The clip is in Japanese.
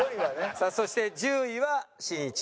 さあそして１０位はしんいち。